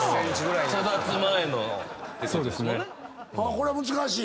これは難しい。